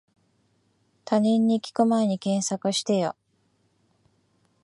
他人に聞くまえに検索してよ